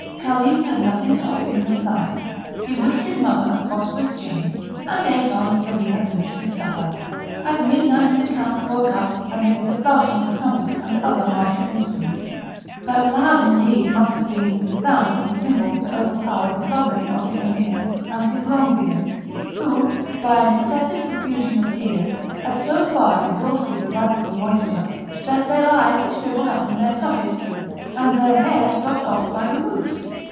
The Caliph had nothing to offer in reply; he wished his mother a prosperous journey, and ate on till he had finished his supper. At midnight the camp broke up, amidst the flourishing of trumpets and other martial instruments; but loud indeed must have been the sound of the tymbals to overpower the blubbering of the Emir and his long beards, who, by an excessive profusion of tears, had so far exhausted the radical moisture, that their eyes shrivelled up in their sockets, and their hairs dropped off by the roots.